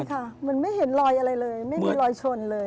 ค่ะเหมือนไม่เห็นรอยอะไรเลยไม่มีรอยชนเลย